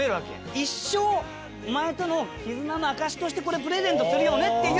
一生お前との絆の証しとしてこれプレゼントするよねっていう。